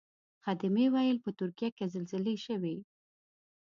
خدمې ویل په ترکیه کې زلزلې شوې.